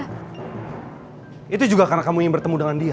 hai itu juga karena kamu yang bertemu dengan dia